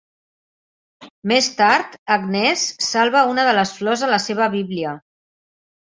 Més tard Agnes salva una de les flors a la seva bíblia.